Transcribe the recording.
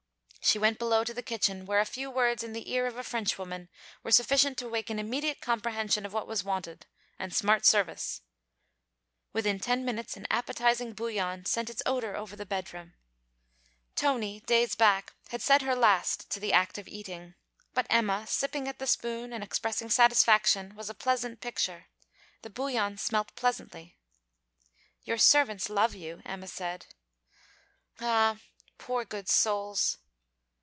She went below to the kitchen, where a few words in the ear of a Frenchwoman were sufficient to waken immediate comprehension of what was wanted, and smart service: within ten minutes an appetizing bouillon sent its odour over the bedroom. Tony, days back, had said her last to the act of eating; but Emma sipping at the spoon and expressing satisfaction, was a pleasant picture. The bouillon smelt pleasantly. 'Your servants love you,' Emma said. 'Ah, poor good souls.'